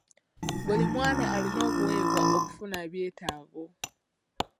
Buli mwana alina obuweebwa okufuna ebyetaago.